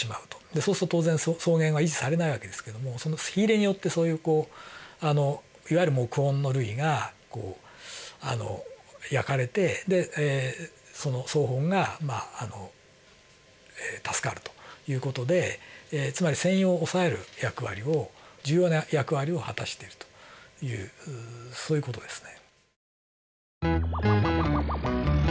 そうすると当然草原は維持されない訳ですけども火入れによってそういうこういわゆる木本の類が焼かれて草本が助かるという事でつまり遷移を抑える役割を重要な役割を果たしているというそういう事ですね。